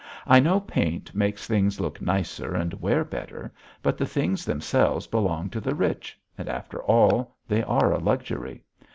"I know paint makes things look nicer and wear better, but the things themselves belong to the rich and after all they are a luxury.